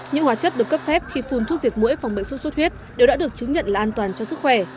những hóa chất được cấp phép khi phun thuốc diệt mũi phòng bệnh sốt xuất huyết đều đã được chứng nhận là an toàn cho sức khỏe